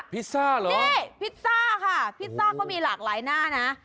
นี่พิซซ่าค่ะพิซซ่าก็มีหลากหลายหน้านะ